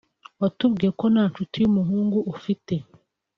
Watubwiye ko nta ncuti y’umuhungu ufite